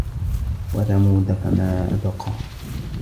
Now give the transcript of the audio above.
وَثَمودَ فَما أَبقى